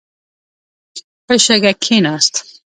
په شګه کښېناست.